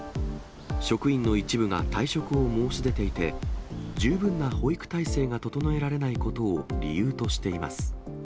職員の一部が退職を申し出ていて、十分な保育態勢が整えられないことを理由としています。